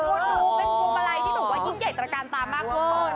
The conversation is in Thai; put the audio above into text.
เป็นมาลัยที่หนูว่ายิ่งใหญ่ตรงการตามมากพอ